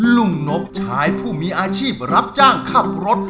นบชายผู้มีอาชีพรับจ้างขับรถ